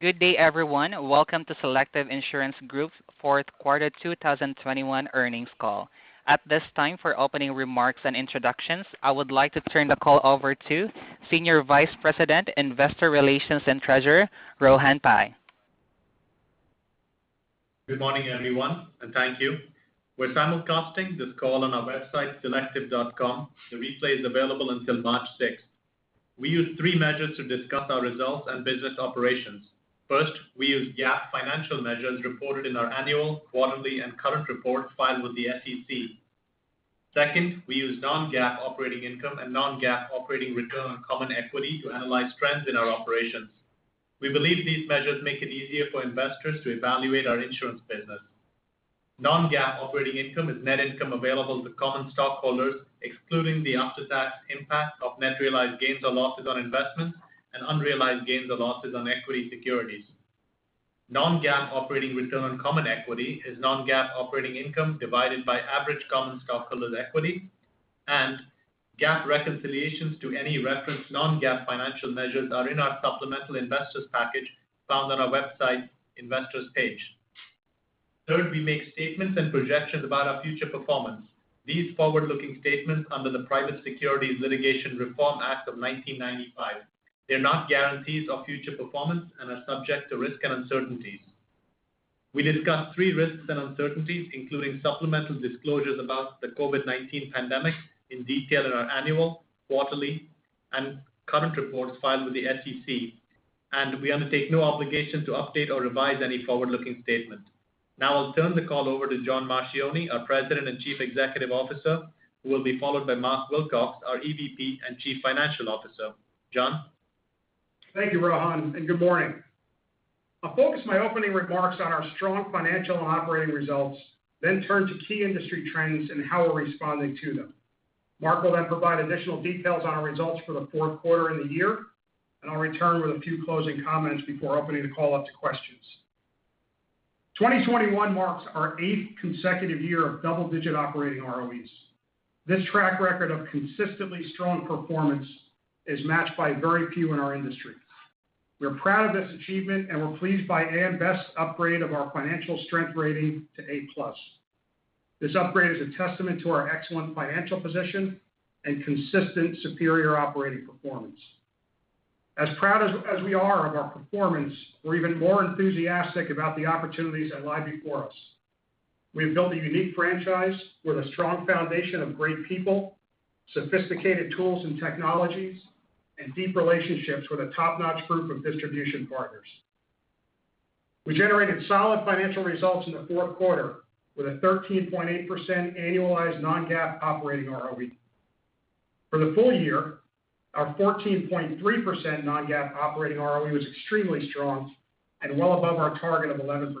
Good day, everyone. Welcome to Selective Insurance Group's fourth quarter 2021 earnings call. At this time, for opening remarks and introductions, I would like to turn the call over to Senior Vice President, Investor Relations and Treasurer, Rohan Pai. Good morning, everyone, and thank you. We're simulcasting this call on our website, selective.com. The replay is available until March sixth. We use three measures to discuss our results and business operations. First, we use GAAP financial measures reported in our annual, quarterly, and current reports filed with the SEC. Second, we use non-GAAP operating income and non-GAAP operating return on common equity to analyze trends in our operations. We believe these measures make it easier for investors to evaluate our insurance business. Non-GAAP operating income is net income available to common stockholders, excluding the after-tax impact of net realized gains or losses on investments and unrealized gains or losses on equity securities. Non-GAAP operating return on common equity is non-GAAP operating income divided by average common stockholders' equity. GAAP reconciliations to any referenced non-GAAP financial measures are in our supplemental investors package found on our website's Investors page. Third, we make statements and projections about our future performance. These forward-looking statements under the Private Securities Litigation Reform Act of 1995 are not guarantees of future performance and are subject to risks and uncertainties. We discuss these risks and uncertainties, including supplemental disclosures about the COVID-19 pandemic in detail in our annual, quarterly, and current reports filed with the SEC, and we undertake no obligation to update or revise any forward-looking statement. Now I'll turn the call over to John Marchioni, our President and Chief Executive Officer, who will be followed by Mark Wilcox, our EVP and Chief Financial Officer. John. Thank you, Rohan, and good morning. I'll focus my opening remarks on our strong financial and operating results, then turn to key industry trends and how we're responding to them. Mark will then provide additional details on our results for the fourth quarter and the year, and I'll return with a few closing comments before opening the call up to questions. 2021 marks our eighth consecutive year of double-digit operating ROEs. This track record of consistently strong performance is matched by very few in our industry. We're proud of this achievement, and we're pleased by AM Best's upgrade of our financial strength rating to A+. This upgrade is a testament to our excellent financial position and consistent superior operating performance. As proud as we are of our performance, we're even more enthusiastic about the opportunities that lie before us. We have built a unique franchise with a strong foundation of great people, sophisticated tools and technologies, and deep relationships with a top-notch group of distribution partners. We generated solid financial results in the fourth quarter with a 13.8% annualized non-GAAP operating ROE. For the full year, our 14.3% non-GAAP operating ROE was extremely strong and well above our target of 11%.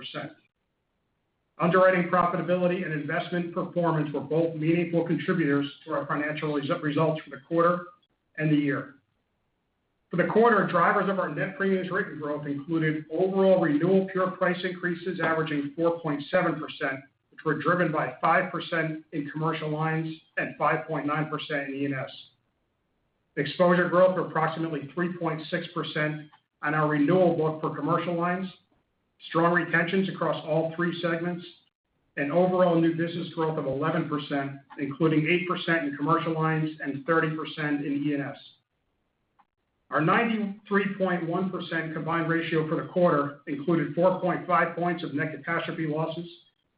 Underwriting profitability and investment performance were both meaningful contributors to our financial results for the quarter and the year. For the quarter, drivers of our net premiums written growth included overall renewal pure price increases averaging 4.7%, which were driven by 5% in commercial lines and 5.9% in E&S. Exposure growth of approximately 3.6% on our renewal book for commercial lines, strong retentions across all three segments, and overall new business growth of 11%, including 8% in commercial lines and 30% in E&S. Our 93.1% combined ratio for the quarter included 4.5 points of net catastrophe losses,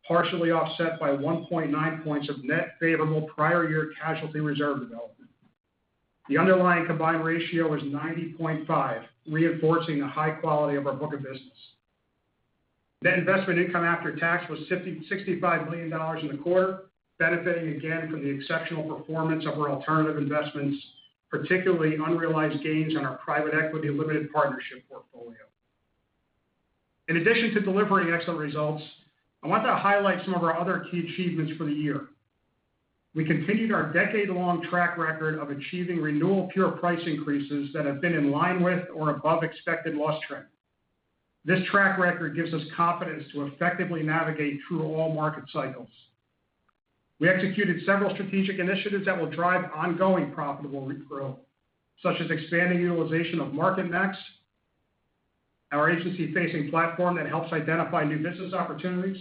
partially offset by 1.9 points of net favorable prior year casualty reserve development. The underlying combined ratio was 90.5, reinforcing the high quality of our book of business. Net investment income after tax was $65 million in the quarter, benefiting again from the exceptional performance of our alternative investments, particularly unrealized gains on our private equity limited partnership portfolio. In addition to delivering excellent results, I want to highlight some of our other key achievements for the year. We continued our decade-long track record of achieving renewal pure price increases that have been in line with or above expected loss trend. This track record gives us confidence to effectively navigate through all market cycles. We executed several strategic initiatives that will drive ongoing profitable growth, such as expanding utilization of MarketMax, our agency-facing platform that helps identify new business opportunities,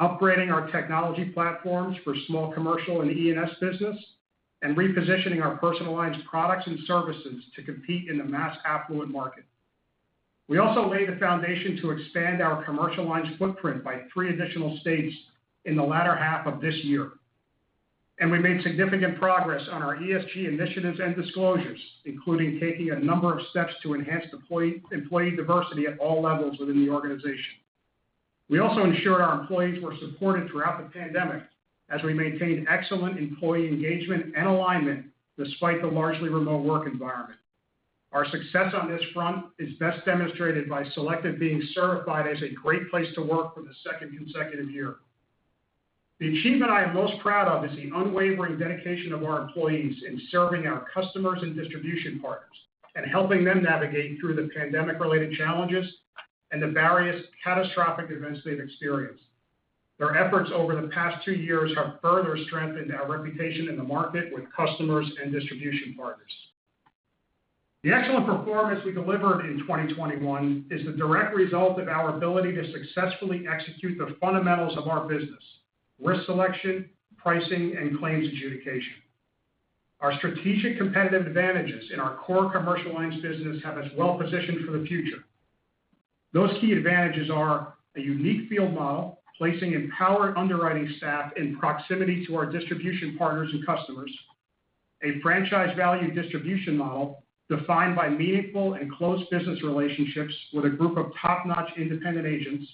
upgrading our technology platforms for small commercial and E&S business, and repositioning our Personal Lines products and services to compete in the mass affluent market. We also laid the foundation to expand our commercial lines footprint by three additional states in the latter half of this year. We made significant progress on our ESG initiatives and disclosures, including taking a number of steps to enhance employee diversity at all levels within the organization. We also ensured our employees were supported throughout the pandemic as we maintained excellent employee engagement and alignment despite the largely remote work environment. Our success on this front is best demonstrated by Selective being certified as a great place to work for the second consecutive year. The achievement I am most proud of is the unwavering dedication of our employees in serving our customers and distribution partners and helping them navigate through the pandemic-related challenges and the various catastrophic events they've experienced. Their efforts over the past two years have further strengthened our reputation in the market with customers and distribution partners. The excellent performance we delivered in 2021 is the direct result of our ability to successfully execute the fundamentals of our business, risk selection, pricing, and claims adjudication. Our strategic competitive advantages in our core commercial lines business have us well-positioned for the future. Those key advantages are a unique field model, placing empowered underwriting staff in proximity to our distribution partners and customers. A franchise value distribution model defined by meaningful and close business relationships with a group of top-notch independent agents.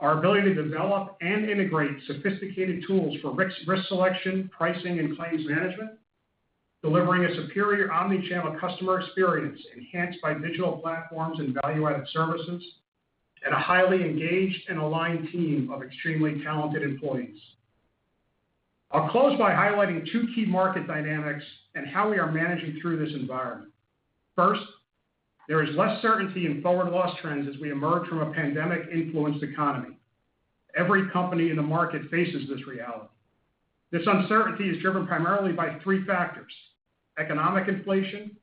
Our ability to develop and integrate sophisticated tools for risk selection, pricing, and claims management. Delivering a superior omni-channel customer experience enhanced by digital platforms and value-added services. A highly engaged and aligned team of extremely talented employees. I'll close by highlighting two key market dynamics and how we are managing through this environment. First, there is less certainty in forward loss trends as we emerge from a pandemic-influenced economy. Every company in the market faces this reality. This uncertainty is driven primarily by three factors, economic inflation,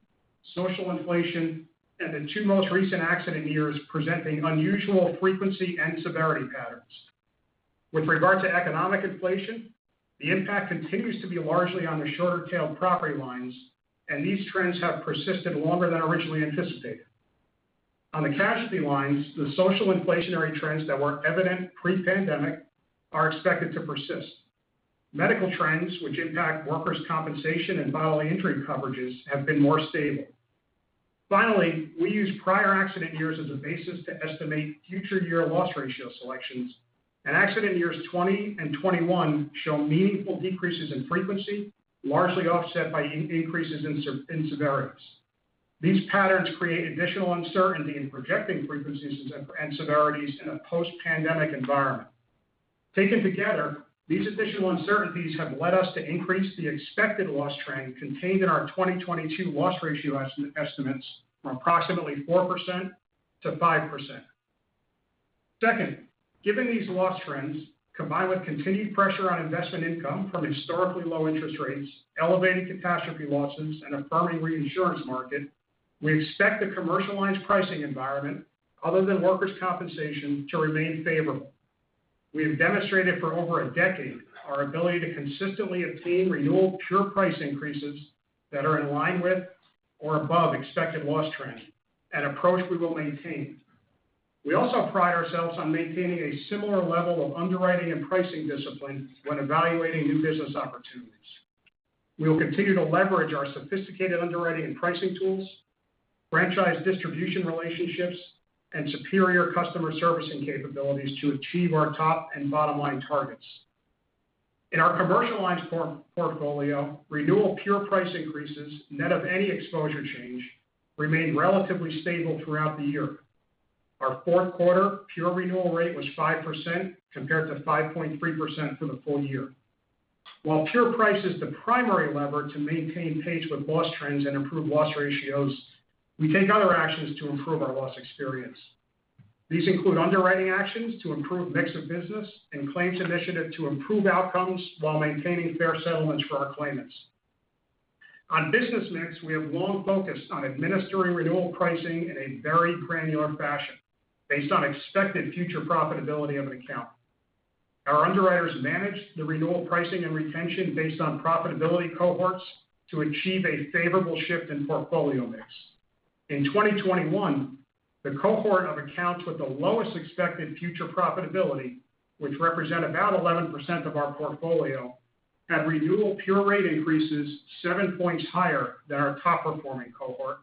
social inflation, and the two most recent accident years presenting unusual frequency and severity patterns. With regard to economic inflation, the impact continues to be largely on the shorter tail property lines, and these trends have persisted longer than originally anticipated. On the casualty lines, the social inflationary trends that were evident pre-pandemic are expected to persist. Medical trends, which impact Workers' Compensation and bodily injury coverages, have been more stable. Finally, we use prior accident years as a basis to estimate future year loss ratio selections, and accident years 2020 and 2021 show meaningful decreases in frequency, largely offset by increases in severities. These patterns create additional uncertainty in projecting frequencies and severities in a post-pandemic environment. Taken together, these additional uncertainties have led us to increase the expected loss trend contained in our 2022 loss ratio estimates from approximately 4% to 5%. Second, given these loss trends, combined with continued pressure on investment income from historically low interest rates, elevated catastrophe losses, and a firming reinsurance market, we expect the Commercial Lines pricing environment, other than Workers' Compensation, to remain favorable. We have demonstrated for over a decade our ability to consistently obtain renewal pure price increases that are in line with or above expected loss trends, an approach we will maintain. We also pride ourselves on maintaining a similar level of underwriting and pricing discipline when evaluating new business opportunities. We will continue to leverage our sophisticated underwriting and pricing tools, franchise distribution relationships, and superior customer servicing capabilities to achieve our top and bottom-line targets. In our Commercial Lines portfolio, renewal pure price increases, net of any exposure change, remained relatively stable throughout the year. Our fourth quarter pure renewal rate was 5% compared to 5.3% for the full year. While pure price is the primary lever to maintain pace with loss trends and improve loss ratios, we take other actions to improve our loss experience. These include underwriting actions to improve mix of business and claims initiative to improve outcomes while maintaining fair settlements for our claimants. On business mix, we have long focused on administering renewal pricing in a very granular fashion based on expected future profitability of an account. Our underwriters manage the renewal pricing and retention based on profitability cohorts to achieve a favorable shift in portfolio mix. In 2021, the cohort of accounts with the lowest expected future profitability, which represent about 11% of our portfolio, had renewal pure rate increases seven points higher than our top-performing cohort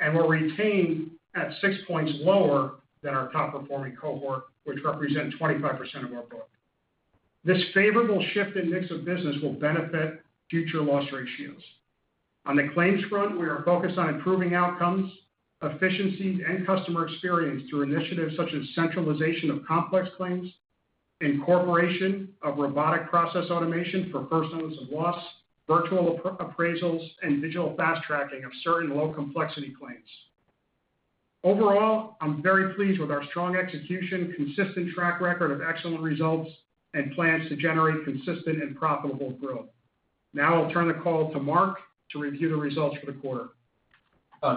and were retained at six points lower than our top-performing cohort, which represent 25% of our book. This favorable shift in mix of business will benefit future loss ratios. On the claims front, we are focused on improving outcomes, efficiencies, and customer experience through initiatives such as centralization of complex claims, incorporation of robotic process automation for first notice of loss, virtual appraisals, and digital fast-tracking of certain low-complexity claims. Overall, I'm very pleased with our strong execution, consistent track record of excellent results, and plans to generate consistent and profitable growth. Now I'll turn the call to Mark to review the results for the quarter.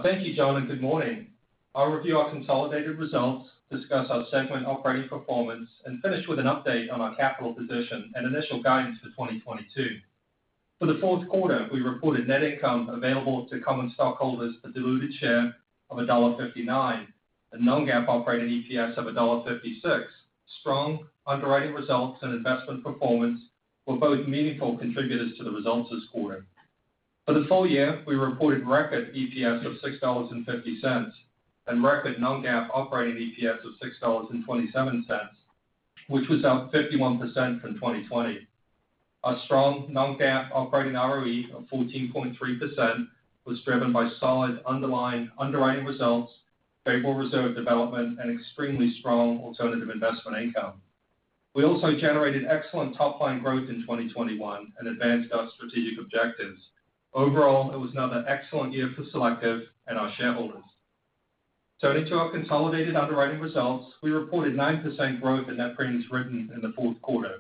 Thank you, John, and good morning. I'll review our consolidated results, discuss our segment operating performance, and finish with an update on our capital position and initial guidance for 2022. For the fourth quarter, we reported net income available to common stockholders, a diluted share of $1.59, a non-GAAP operating EPS of $1.56. Strong underwriting results and investment performance were both meaningful contributors to the results this quarter. For the full year, we reported record EPS of $6.50 and record non-GAAP operating EPS of $6.27, which was up 51% from 2020. Our strong non-GAAP operating ROE of 14.3% was driven by solid underlying underwriting results, favorable reserve development, and extremely strong alternative investment income. We also generated excellent top-line growth in 2021 and advanced our strategic objectives. Overall, it was another excellent year for Selective and our shareholders. Turning to our consolidated underwriting results, we reported 9% growth in net premiums written in the fourth quarter.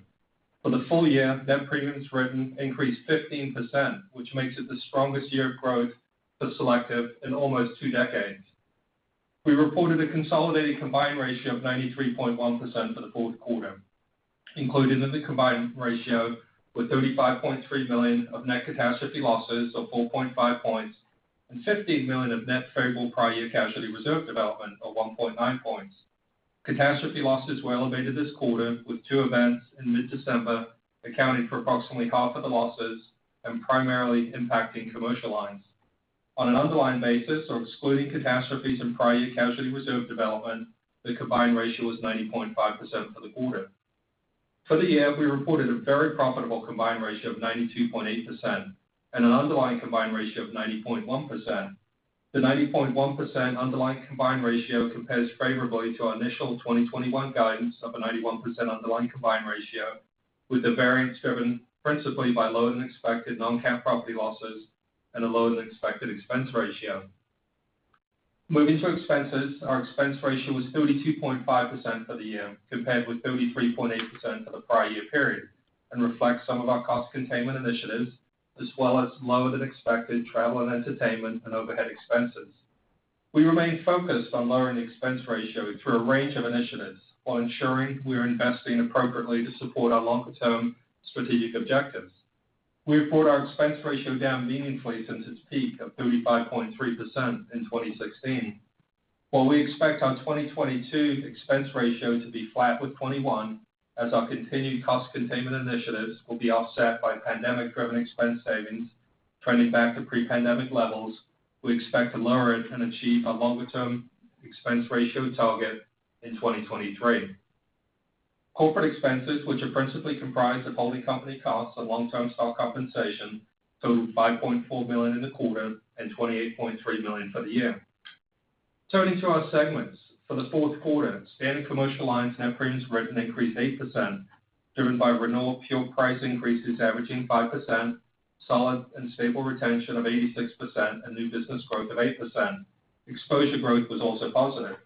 For the full year, net premiums written increased 15%, which makes it the strongest year of growth for Selective in almost two decades. We reported a consolidated combined ratio of 93.1% for the fourth quarter, included in the combined ratio with $35.3 million of net catastrophe losses of 4.5 points and $15 million of net favorable prior year casualty reserve development of 1.9 points. Catastrophe losses were elevated this quarter with two events in mid-December, accounting for approximately half of the losses and primarily impacting commercial lines. On an underlying basis or excluding catastrophes and prior year casualty reserve development, the combined ratio was 90.5% for the quarter. For the year, we reported a very profitable combined ratio of 92.8% and an underlying combined ratio of 90.1%. The 90.1% underlying combined ratio compares favorably to our initial 2021 guidance of a 91% underlying combined ratio, with the variance driven principally by lower than expected non-cat property losses and a lower than expected expense ratio. Moving to expenses, our expense ratio was 32.5% for the year, compared with 33.8% for the prior year period, and reflects some of our cost containment initiatives as well as lower than expected travel and entertainment and overhead expenses. We remain focused on lowering the expense ratio through a range of initiatives while ensuring we are investing appropriately to support our longer-term strategic objectives. We have brought our expense ratio down meaningfully since its peak of 35.3% in 2016. While we expect our 2022 expense ratio to be flat with 2021 as our continued cost containment initiatives will be offset by pandemic-driven expense savings trending back to pre-pandemic levels, we expect to lower it and achieve a longer-term expense ratio target in 2023. Corporate expenses, which are principally comprised of holding company costs and long-term stock compensation, totaled $5.4 million in the quarter and $28.3 million for the year. Turning to our segments. For the fourth quarter, Standard Commercial Lines net premiums written increased 8%, driven by renewal pure price increases averaging 5%, solid and stable retention of 86%, and new business growth of 8%. Exposure growth was also positive.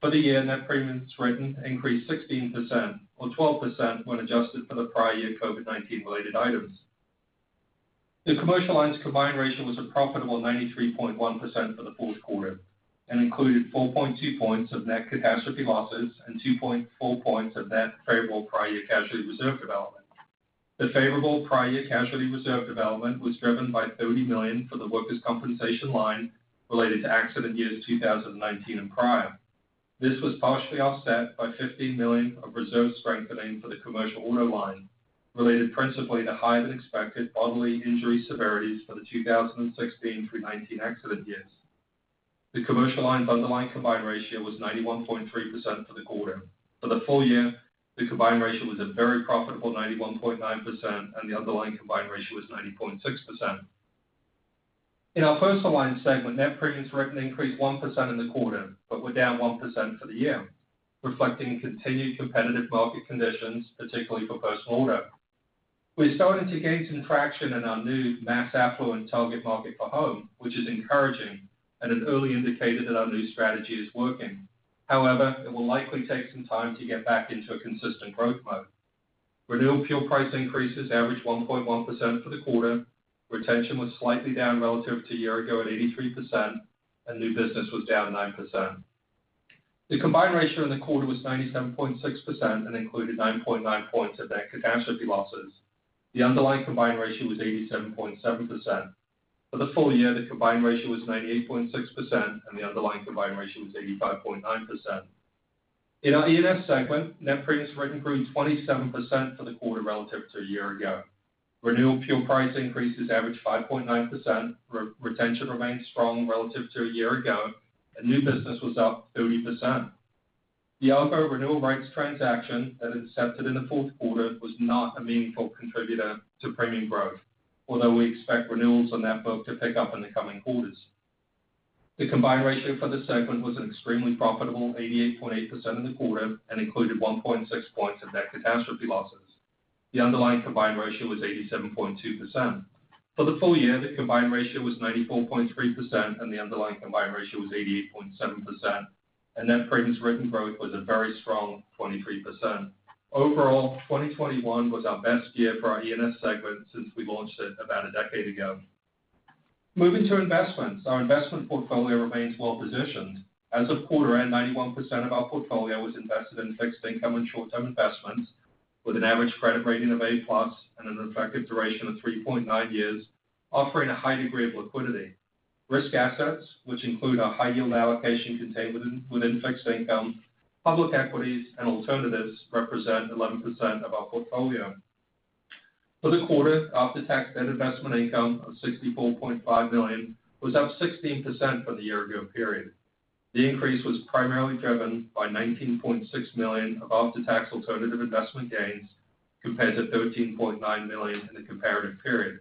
For the year, net premiums written increased 16% or 12% when adjusted for the prior year COVID-19 related items. The commercial lines combined ratio was a profitable 93.1% for the fourth quarter and included 4.2 points of net catastrophe losses and 2.4 points of net favorable prior year casualty reserve development. The favorable prior year casualty reserve development was driven by $30 million for the Workers' Compensation line related to accident years 2019 and prior. This was partially offset by $15 million of reserve strengthening for the Commercial Auto line related principally to higher than expected bodily injury severities for the 2016 through 2019 accident years. The commercial lines underlying combined ratio was 91.3% for the quarter. For the full year, the combined ratio was a very profitable 91.9%, and the underlying combined ratio was 90.6%. In our Personal Lines segment, net premiums written increased 1% in the quarter, but were down 1% for the year, reflecting continued competitive market conditions, particularly for Personal Lines. We're starting to gain some traction in our new mass affluent target market for home, which is encouraging and an early indicator that our new strategy is working. However, it will likely take some time to get back into a consistent growth mode. Renewal pure price increases averaged 1.1% for the quarter. Retention was slightly down relative to a year ago at 83%, and new business was down 9%. The combined ratio in the quarter was 97.6% and included 9.9 points of net catastrophe losses. The underlying combined ratio was 87.7%. For the full year, the combined ratio was 98.6%, and the underlying combined ratio was 85.9%. In our E&S segment, net premiums written grew 27% for the quarter relative to a year ago. Renewal pure price increases averaged 5.9%. Re-retention remained strong relative to a year ago, and new business was up 30%. The Argo renewal rights transaction that accepted in the fourth quarter was not a meaningful contributor to premium growth, although we expect renewals on that book to pick up in the coming quarters. The combined ratio for the segment was an extremely profitable 88.8% in the quarter and included 1.6 points of net catastrophe losses. The underlying combined ratio was 87.2%. For the full year, the combined ratio was 94.3%, and the underlying combined ratio was 88.7%, and net premiums written growth was a very strong 23%. Overall, 2021 was our best year for our E&S segment since we launched it about a decade ago. Moving to investments. Our investment portfolio remains well-positioned. As of quarter end, 91% of our portfolio was invested in fixed income and short-term investments with an average credit rating of A+ and an effective duration of 3.9 years, offering a high degree of liquidity. Risk assets, which include our high yield allocation contained within fixed income, public equities and alternatives represent 11% of our portfolio. For the quarter, after-tax net investment income of $64.5 million was up 16% for the year ago period. The increase was primarily driven by $19.6 million of after-tax alternative investment gains compared to $13.9 million in the comparative period.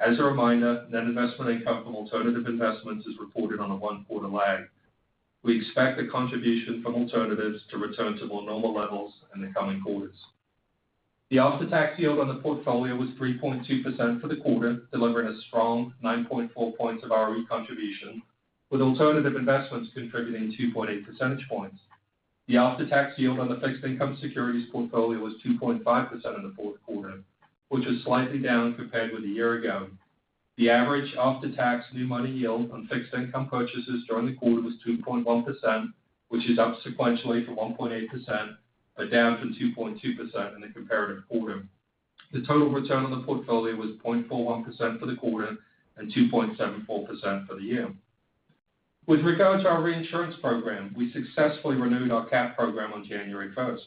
As a reminder, net investment income from alternative investments is reported on a one-quarter lag. We expect the contribution from alternatives to return to more normal levels in the coming quarters. The after-tax yield on the portfolio was 3.2% for the quarter, delivering a strong 9.4 points of ROE contribution, with alternative investments contributing 2.8 percentage points. The after-tax yield on the fixed income securities portfolio was 2.5% in the fourth quarter, which is slightly down compared with a year ago. The average after-tax new money yield on fixed income purchases during the quarter was 2.1%, which is up sequentially from 1.8%, but down from 2.2% in the comparative quarter. The total return on the portfolio was 0.41% for the quarter and 2.74% for the year. With regard to our reinsurance program, we successfully renewed our cat program on January first.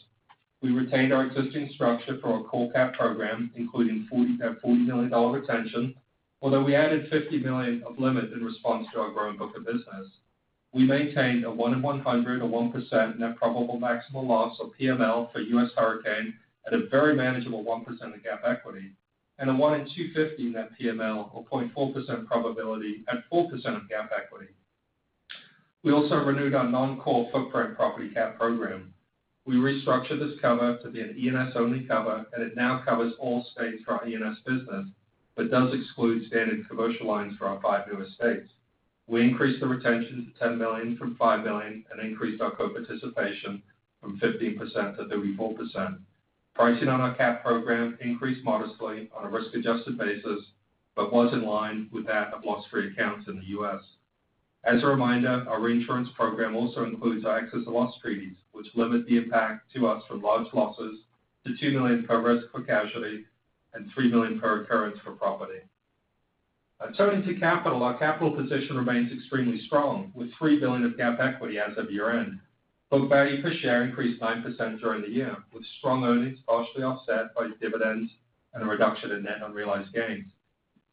We retained our existing structure for our core cat program, including $40 million dollar retention, although we added $50 million of limit in response to our growing book of business. We maintained a one in 100 or 1% net probable maximum loss of PML for U.S. hurricane at a very manageable 1% of GAAP equity, and a one in 250 net PML or 0.4% probability at 4% of GAAP equity. We also renewed our non-core footprint property cat program. We restructured this cover to be an E&S-only cover, and it now covers all states for our E&S business, but does exclude Standard Commercial Lines for our five newest states. We increased the retention to $10 million from $5 million and increased our co-participation from 15% to 34%. Pricing on our cat program increased modestly on a risk-adjusted basis but was in line with that of loss-free accounts in the U.S. As a reminder, our reinsurance program also includes our excess and loss treaties, which limit the impact to us from large losses to $2 million per risk for casualty and $3 million per occurrence for property. Turning to capital, our capital position remains extremely strong, with $3 billion of GAAP equity as of year-end. Book value per share increased 9% during the year, with strong earnings partially offset by dividends and a reduction in net unrealized gains.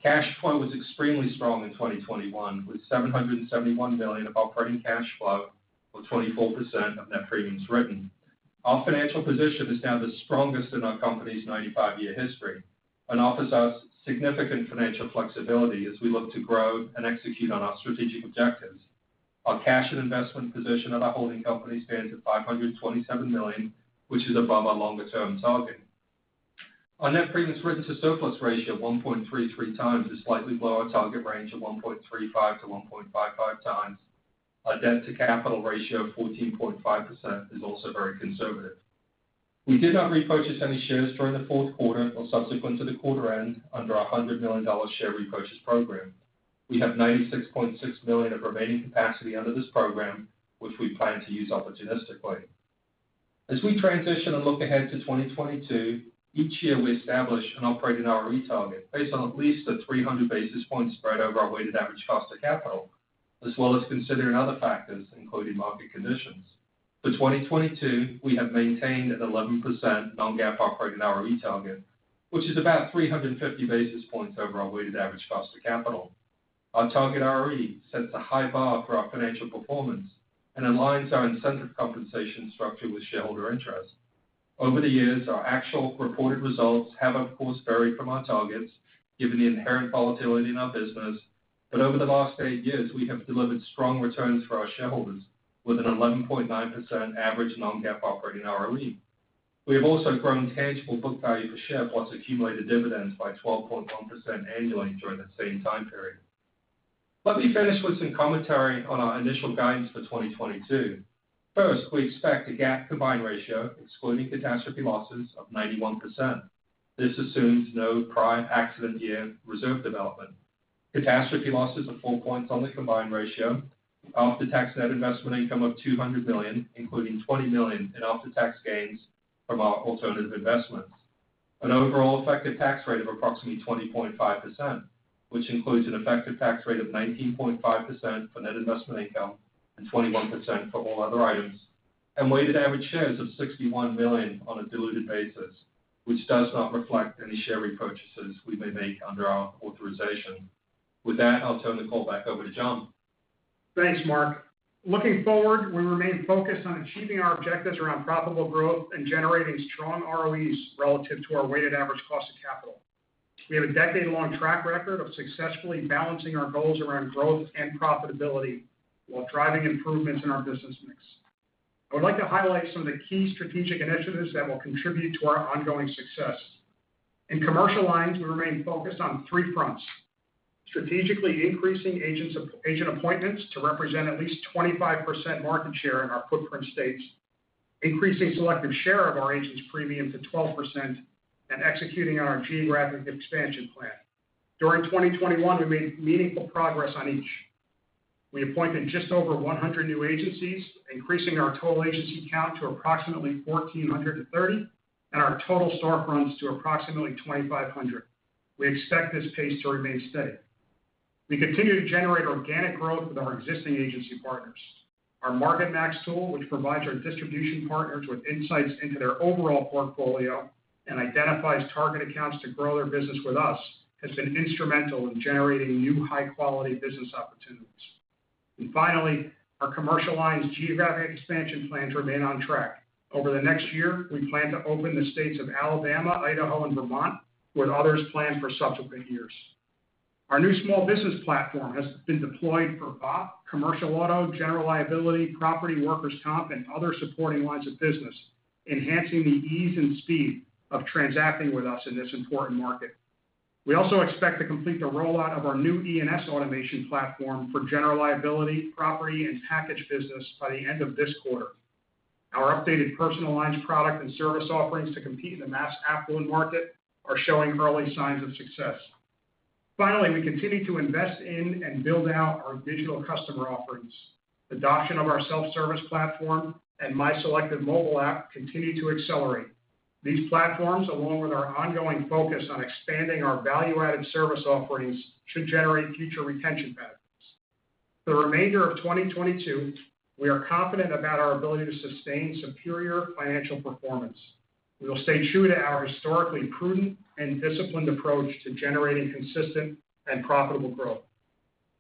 Cash flow was extremely strong in 2021, with $771 million of operating cash flow or 24% of net premiums written. Our financial position is now the strongest in our company's 95-year history and offers us significant financial flexibility as we look to grow and execute on our strategic objectives. Our cash and investment position at our holding company stands at $527 million, which is above our longer-term target. Our net premiums written to surplus ratio of 1.33 times is slightly below our target range of 1.35 to 1.55 times. Our debt-to-capital ratio of 14.5% is also very conservative. We did not repurchase any shares during the fourth quarter or subsequent to the quarter end under our $100 million share repurchase program. We have $96.6 million of remaining capacity under this program, which we plan to use opportunistically. As we transition and look ahead to 2022, each year we establish an operating ROE target based on at least a 300 basis point spread over our weighted average cost of capital, as well as considering other factors, including market conditions. For 2022, we have maintained an 11% non-GAAP operating ROE target, which is about 350 basis points over our weighted average cost of capital. Our target ROE sets a high bar for our financial performance and aligns our incentive compensation structure with shareholder interest. Over the years, our actual reported results have of course varied from our targets, given the inherent volatility in our business. Over the last eight years, we have delivered strong returns for our shareholders with an 11.9% average non-GAAP operating ROE. We have also grown tangible book value per share plus accumulated dividends by 12.1% annually during that same time period. Let me finish with some commentary on our initial guidance for 2022. First, we expect a GAAP combined ratio excluding catastrophe losses of 91%. This assumes no prior accident year reserve development. Catastrophe losses of four points on the combined ratio, after-tax net investment income of $200 million, including $20 million in after-tax gains from our alternative investments, an overall effective tax rate of approximately 20.5%, which includes an effective tax rate of 19.5% for net investment income and 21% for all other items, and weighted average shares of 61 million on a diluted basis, which does not reflect any share repurchases we may make under our authorization. With that, I'll turn the call back over to John. Thanks, Mark. Looking forward, we remain focused on achieving our objectives around profitable growth and generating strong ROEs relative to our weighted average cost of capital. We have a decade-long track record of successfully balancing our goals around growth and profitability while driving improvements in our business mix. I would like to highlight some of the key strategic initiatives that will contribute to our ongoing success. In Commercial Lines, we remain focused on three fronts, strategically increasing agent appointments to represent at least 25% market share in our footprint states, increasing selected share of our agents' premium to 12%, and executing our geographic expansion plan. During 2021, we made meaningful progress on each. We appointed just over 100 new agencies, increasing our total agency count to approximately 1,430, and our total store fronts to approximately 2,500. We expect this pace to remain steady. We continue to generate organic growth with our existing agency partners. Our MarketMax tool, which provides our distribution partners with insights into their overall portfolio and identifies target accounts to grow their business with us, has been instrumental in generating new high-quality business opportunities. Finally, our Commercial Lines geographic expansion plans remain on track. Over the next year, we plan to open the states of Alabama, Idaho, and Vermont, with others planned for subsequent years. Our new small business platform has been deployed for BOP, commercial auto, general liability, property, workers' comp, and other supporting lines of business, enhancing the ease and speed of transacting with us in this important market. We also expect to complete the rollout of our new E&S automation platform for general liability, property, and package business by the end of this quarter. Our updated Personal Lines product and service offerings to compete in the mass affluent market are showing early signs of success. Finally, we continue to invest in and build out our digital customer offerings. Adoption of our self-service platform and MySelective mobile app continue to accelerate. These platforms, along with our ongoing focus on expanding our value-added service offerings, should generate future retention benefits. For the remainder of 2022, we are confident about our ability to sustain superior financial performance. We will stay true to our historically prudent and disciplined approach to generating consistent and profitable growth.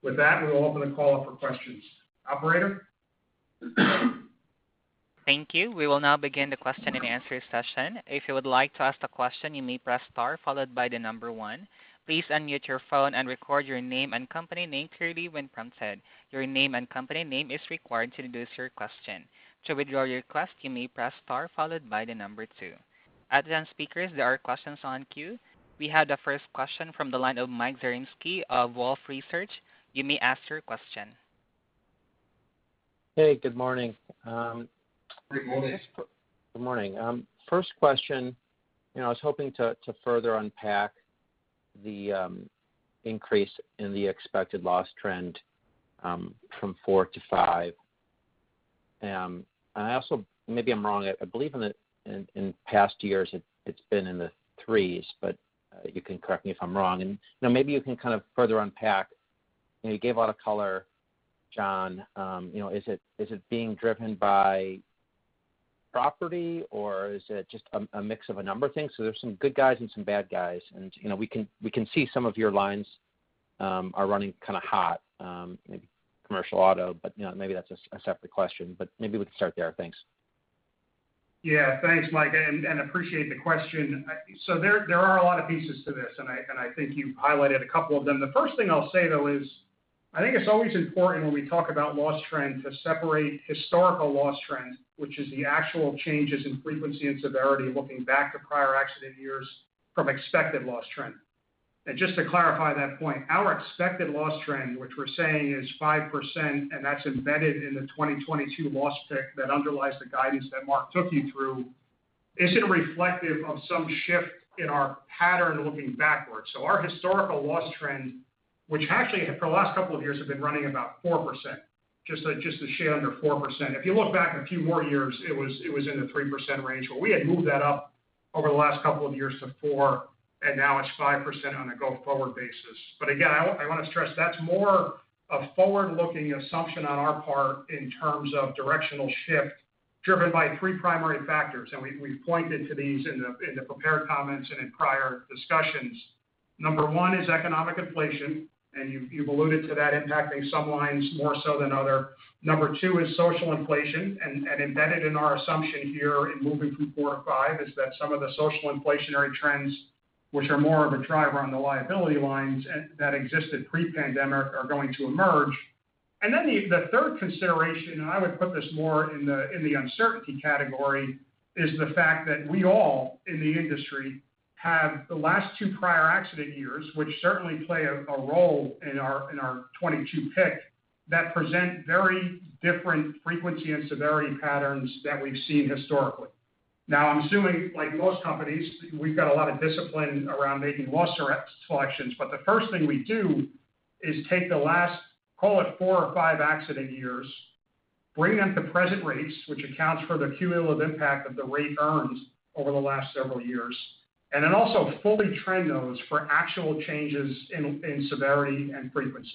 With that, we'll open the call up for questions. Operator? Thank you. We will now begin the question-and-answer session. If you would like to ask a question, you may press star followed by the number one. Please unmute your phone and record your name and company name clearly when prompted. Your name and company name is required to introduce your question. To withdraw your request, you may press star followed by the number two. Attention speakers, there are questions on queue. We have the first question from the line of Michael Zaremski of Wolfe Research. You may ask your question. Hey, good morning. Good morning. Good morning. First question, you know, I was hoping to further unpack the increase in the expected loss trend from 4% to 5%. I also maybe I'm wrong. I believe in past years it's been in the threes, but you can correct me if I'm wrong. You know, maybe you can kind of further unpack. You know, you gave a lot of color, John. You know, is it being driven by property, or is it just a mix of a number of things? There's some good guys and some bad guys and, you know, we can see some of your lines are running kind of hot, maybe Commercial Auto, but you know, maybe that's a separate question, but maybe we can start there. Thanks. Yeah. Thanks, Mike, and appreciate the question. So there are a lot of pieces to this, and I think you highlighted a couple of them. The first thing I'll say, though, is I think it's always important when we talk about loss trend to separate historical loss trend, which is the actual changes in frequency and severity looking back to prior accident years, from expected loss trend. Just to clarify that point, our expected loss trend, which we're saying is 5%, and that's embedded in the 2022 loss pick that underlies the guidance that Mark took you through, isn't reflective of some shift in our pattern looking backwards. Our historical loss trend, which actually for the last couple of years have been running about 4%, just a shade under 4%. If you look back a few more years, it was in the 3% range, but we had moved that up over the last couple of years to 4%, and now it's 5% on a go-forward basis. Again, I wanna stress that's more a forward-looking assumption on our part in terms of directional shift driven by three primary factors, and we've pointed to these in the prepared comments and in prior discussions. Number one is economic inflation, and you've alluded to that impacting some lines more so than others. Number two is social inflation, and embedded in our assumption here in moving from 4% to 5% is that some of the social inflationary trends, which are more of a driver on the liability lines and that existed pre-pandemic are going to emerge. The third consideration, and I would put this more in the uncertainty category, is the fact that we all in the industry have the last two prior accident years, which certainly play a role in our 2022 pick, that present very different frequency and severity patterns than we've seen historically. Now, I'm assuming, like most companies, we've got a lot of discipline around making loss selections, but the first thing we do is take the last, call it four or five accident years, bring them to present rates, which accounts for the cumulative impact of the rate earned over the last several years, and then also fully trend those for actual changes in severity and frequency.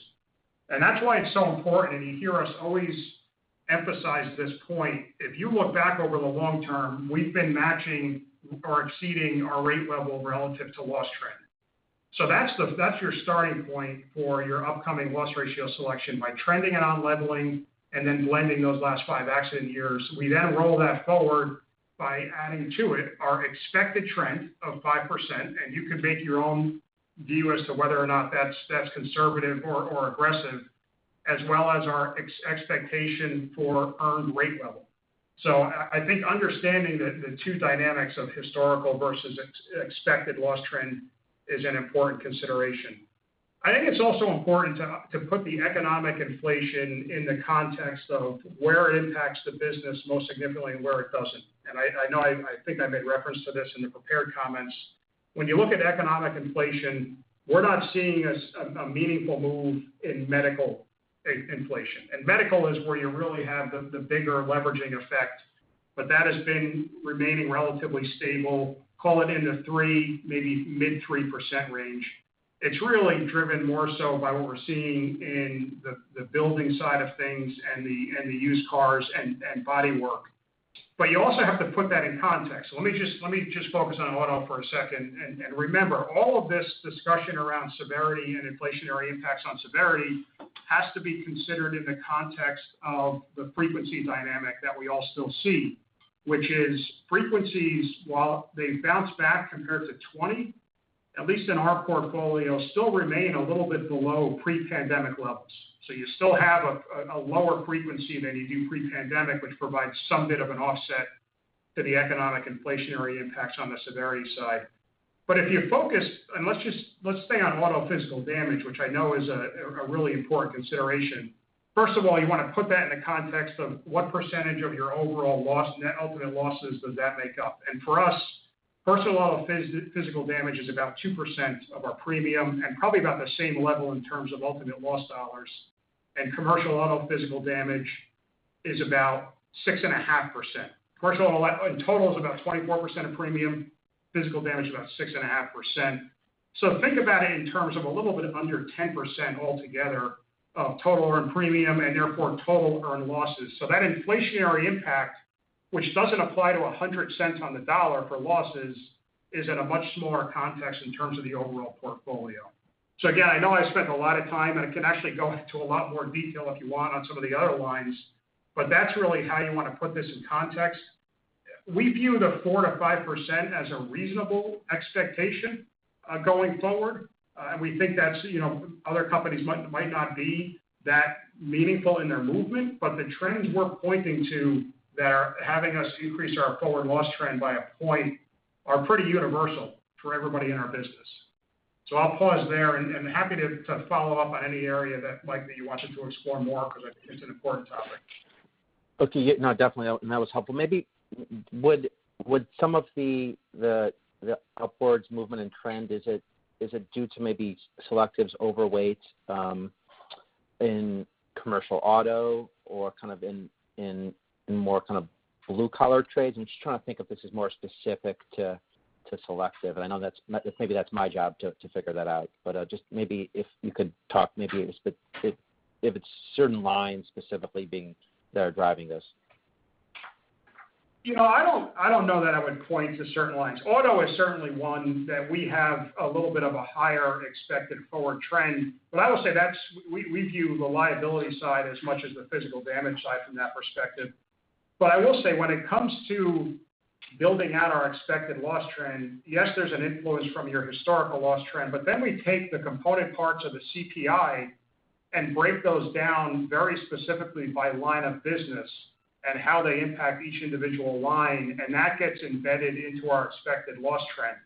That's why it's so important, and you hear us always emphasize this point. If you look back over the long term, we've been matching or exceeding our rate level relative to loss trend. That's your starting point for your upcoming loss ratio selection by trending it on leveling and then blending those last five accident years. We then roll that forward by adding to it our expected trend of 5%, and you can make your own view as to whether or not that's conservative or aggressive, as well as our expectation for earned rate level. I think understanding the two dynamics of historical versus expected loss trend is an important consideration. I think it's also important to put the economic inflation in the context of where it impacts the business most significantly and where it doesn't. I know I think I made reference to this in the prepared comments. When you look at economic inflation, we're not seeing a meaningful move in medical inflation. Medical is where you really have the bigger leveraging effect, but that has been remaining relatively stable, call it in the 3%, maybe mid-3% range. It's really driven more so by what we're seeing in the building side of things and the used cars and body work. You also have to put that in context. Let me just focus on auto for a second. Remember, all of this discussion around severity and inflationary impacts on severity has to be considered in the context of the frequency dynamic that we all still see, which is frequencies while they bounce back compared to 2020, at least in our portfolio, still remain a little bit below pre-pandemic levels. You still have a lower frequency than you do pre-pandemic, which provides some bit of an offset to the economic inflationary impacts on the severity side. If you focus and let's stay on auto physical damage, which I know is a really important consideration. First of all, you want to put that in the context of what percentage of your overall loss net ultimate losses does that make up. For us, personal auto physical damage is about 2% of our premium and probably about the same level in terms of ultimate loss dollars. Commercial auto physical damage is about 6.5%. Commercial auto in total is about 24% of premium. Physical damage is about 6.5%. Think about it in terms of a little bit under 10% altogether of total earned premium and therefore total earned losses. That inflationary impact, which doesn't apply to a hundred cents on the dollar for losses, is in a much smaller context in terms of the overall portfolio. Again, I know I spent a lot of time, and I can actually go into a lot more detail if you want on some of the other lines, but that's really how you want to put this in context. We view the 4% to 5% as a reasonable expectation, going forward. And we think that's, you know, other companies might not be that meaningful in their movement. The trends we're pointing to that are having us increase our forward loss trend by a point are pretty universal for everybody in our business. I'll pause there and happy to follow up on any area that, Mike, you wanted to explore more because it's an important topic. Okay. Yeah. No, definitely. That was helpful. Maybe would some of the upwards movement in trend is it due to maybe Selective's overweight in Commercial Auto or kind of in more kind of blue-collar trades? I'm just trying to think if this is more specific to Selective. I know that's maybe that's my job to figure that out. Just maybe if you could talk maybe if it's certain lines specifically being that are driving this. You know, I don't know that I would point to certain lines. Auto is certainly one that we have a little bit of a higher expected forward trend. I will say that's. We view the liability side as much as the physical damage side from that perspective. I will say when it comes to building out our expected loss trend, yes, there's an influence from your historical loss trend, but then we take the component parts of the CPI and break those down very specifically by line of business and how they impact each individual line, and that gets embedded into our expected loss trend.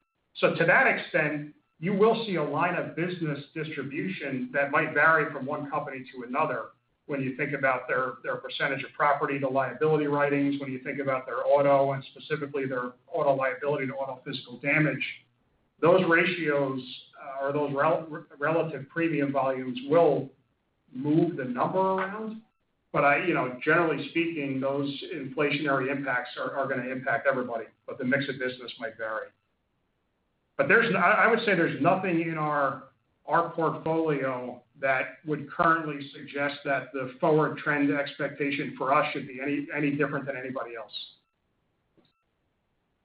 To that extent, you will see a line of business distribution that might vary from one company to another when you think about their percentage of property to liability writings, when you think about their auto and specifically their auto liability to auto physical damage. Those ratios or those relative premium volumes will move the number around. You know, generally speaking, those inflationary impacts are going to impact everybody, but the mix of business might vary. I would say there's nothing in our portfolio that would currently suggest that the forward trend expectation for us should be any different than anybody else.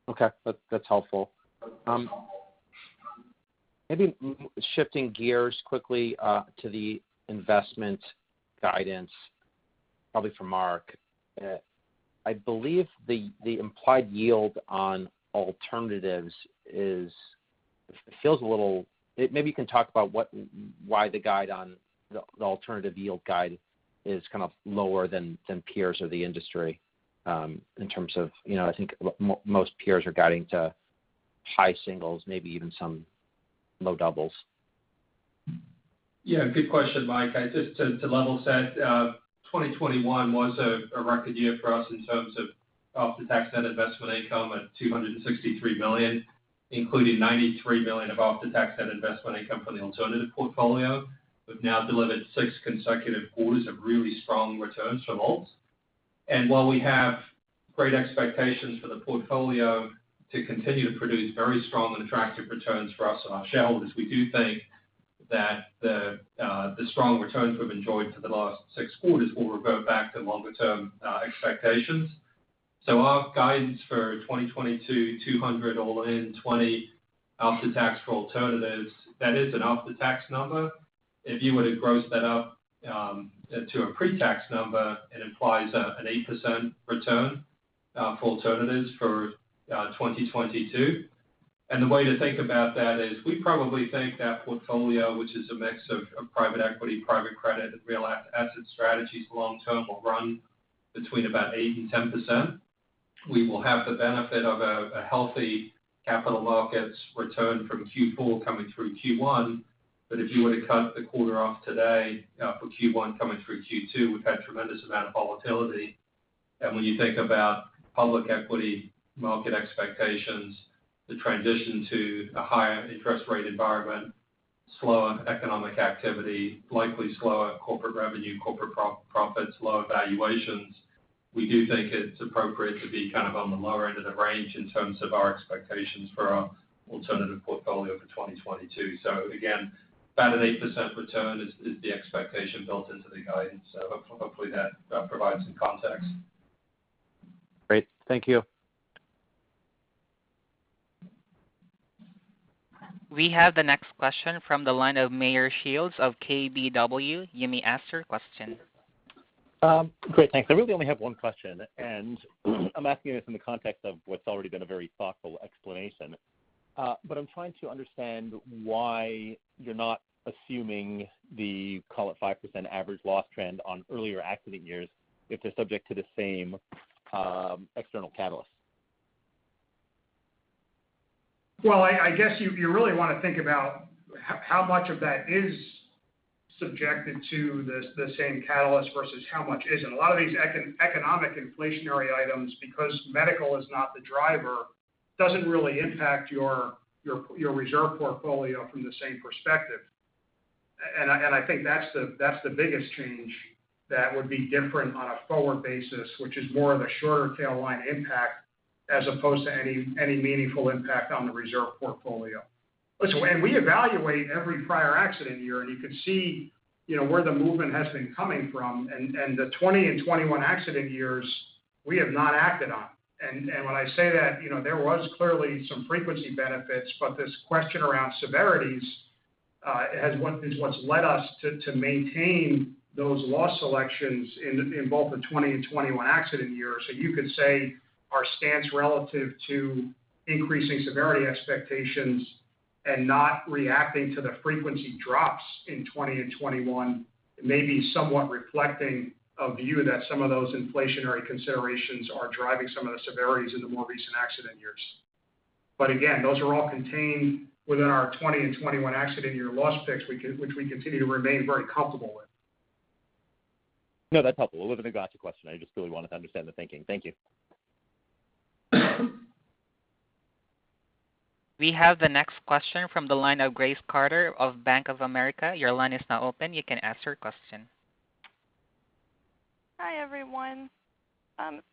Okay. That's helpful. Maybe shifting gears quickly to the investment guidance, probably for Mark. I believe the implied yield on alternatives is. It feels a little. Maybe you can talk about why the guide on the alternative yield guide is kind of lower than peers or the industry, in terms of, you know, I think most peers are guiding to high singles, maybe even some low doubles. Yeah, good question, Mike. Just to level set, 2021 was a record year for us in terms of after-tax net investment income at $263 million, including $93 million of after-tax net investment income from the alternative portfolio. We've now delivered six consecutive quarters of really strong returns for alts. While we have great expectations for the portfolio to continue to produce very strong and attractive returns for us and our shareholders, we do think that the strong returns we've enjoyed for the last six quarters will revert back to longer-term expectations. Our guidance for 2022, $200 all-in, $20 after-tax for alternatives, that is an after-tax number. If you were to gross that up to a pre-tax number, it implies an 8% return for alternatives for 2022. The way to think about that is we probably think that portfolio, which is a mix of private equity, private credit, real asset strategies long-term, will run between about 8% to 10%. We will have the benefit of a healthy capital markets return from Q4 coming through Q1. If you were to cut the quarter off today, for Q1 coming through Q2, we've had tremendous amount of volatility. When you think about public equity market expectations, the transition to a higher interest rate environment, slower economic activity, likely slower corporate revenue, corporate profits, lower valuations, we do think it's appropriate to be kind of on the lower end of the range in terms of our expectations for our alternative portfolio for 2022. Again, about an 8% return is the expectation built into the guidance. Hopefully that provides some context. Great. Thank you. We have the next question from the line of Meyer Shields of Keefe, Bruyette & Woods, Inc. You may ask your question. Great, thanks. I really only have one question, and I'm asking this in the context of what's already been a very thoughtful explanation. I'm trying to understand why you're not assuming the, call it, 5% average loss trend on earlier accident years if they're subject to the same, external catalyst. Well, I guess you really wanna think about how much of that is subject to the same catalyst versus how much isn't. A lot of these economic inflationary items, because medical is not the driver, doesn't really impact your reserve portfolio from the same perspective. I think that's the biggest change that would be different on a forward basis, which is more of a shorter tail line impact as opposed to any meaningful impact on the reserve portfolio. Listen, we evaluate every prior accident year, and you can see, you know, where the movement has been coming from. The 2020 and 2021 accident years, we have not acted on. When I say that, you know, there was clearly some frequency benefits, but this question around severities has what's led us to maintain those loss selections in both the 2020 and 2021 accident years. You could say our stance relative to increasing severity expectations and not reacting to the frequency drops in 2020 and 2021 may be somewhat reflecting a view that some of those inflationary considerations are driving some of the severities in the more recent accident years. Again, those are all contained within our 2020 and 2021 accident year loss picks, which we continue to remain very comfortable with. No, that's helpful. It wasn't a gotcha question. I just really wanted to understand the thinking. Thank you. We have the next question from the line of Grace Carter of Bank of America. Your line is now open, you can ask your question. Hi, everyone.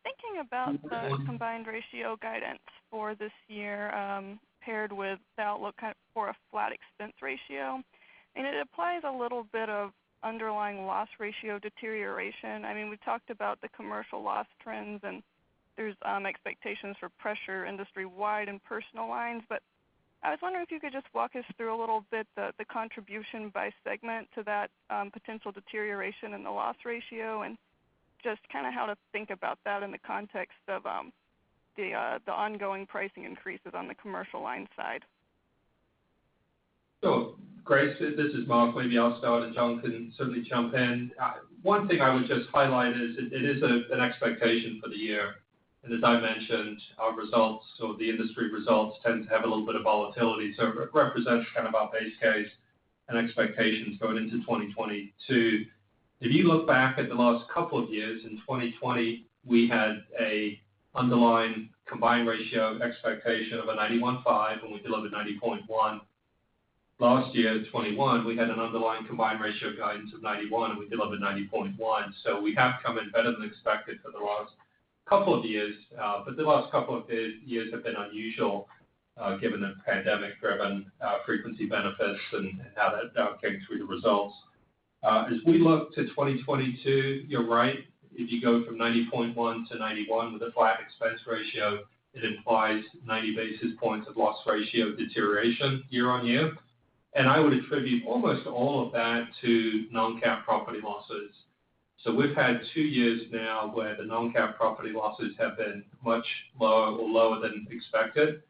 Thinking about the combined ratio guidance for this year, paired with the outlook kind of for a flat expense ratio, and it applies a little bit of underlying loss ratio deterioration. I mean, we've talked about the commercial loss trends, and there's expectations for pressure industry-wide and personal lines. I was wondering if you could just walk us through a little bit the contribution by segment to that potential deterioration in the loss ratio, and just kinda how to think about that in the context of the ongoing pricing increases on the commercial line side. Grace, this is Mark Wilcox. I'll start, and John can certainly jump in. One thing I would just highlight is it is an expectation for the year. As I mentioned, our results or the industry results tend to have a little bit of volatility. It represents kind of our base case and expectations going into 2022. If you look back at the last couple of years, in 2020, we had an underlying combined ratio expectation of 91.5, and we delivered 90.1. Last year, 2021, we had an underlying combined ratio guidance of 91, and we delivered 90.1. We have come in better than expected for the last couple of years. The last couple of years have been unusual, given the pandemic-driven frequency benefits and how that came through the results. As we look to 2022, you're right. If you go from 90.1 to 91 with a flat expense ratio, it implies 90 basis points of loss ratio deterioration year-over-year. I would attribute almost all of that to non-cat property losses. We've had two years now where the non-cat property losses have been much lower than expected.